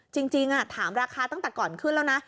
จริงถามราคาตั้งแต่ก่อนขึ้นแล้วนะ